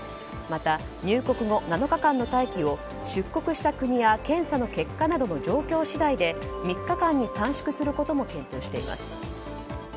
また、入国後７日間の待機を出国した国や検査の結果などの状況次第で３日間に短縮することも検討しています。